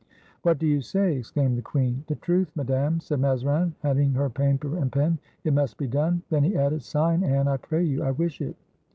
"What do you say?" exclaimed the queen. "The truth, Madame," said Mazarin, handing her paper and pen; "it must be done." Then he added, "Sign, Anne, I pray you; I wish it!"